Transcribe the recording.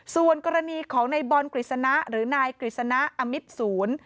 ส่วนกรณีของในบอลกฤษณะหรือนายกฤษณะอมิตศูนย์